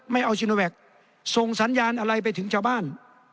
ไม่เอาซีโนแวคส่งสัญญาณอะไรไปถึงชาวบ้าน